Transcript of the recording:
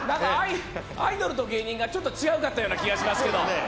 アイドルと芸人がちょっと違うかった気がしますけど。